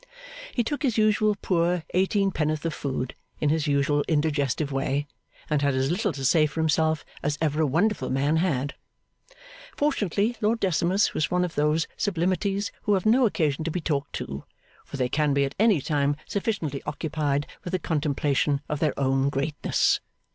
He took his usual poor eighteenpennyworth of food in his usual indigestive way, and had as little to say for himself as ever a wonderful man had. Fortunately Lord Decimus was one of those sublimities who have no occasion to be talked to, for they can be at any time sufficiently occupied with the contemplation of their own greatness.